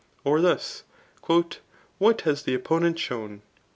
Or thus, " What has the oppo nent shown